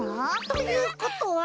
ということは。